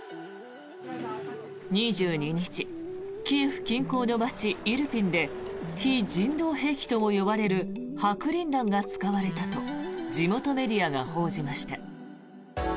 ２２日、キエフ近郊の街イルピンで非人道兵器と呼ばれる白リン弾が使われたと地元メディアが報じました。